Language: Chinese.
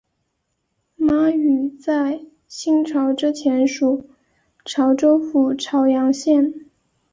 妈屿在清朝之前属潮州府潮阳县。